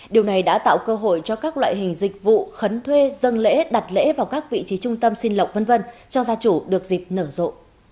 điều này đã tạo cơ hội cho các loại hình dịch vụ khấn thuê dân lễ đặt lễ vào các vị trí trung tâm xin lọc v v cho gia chủ được dịp nở rộ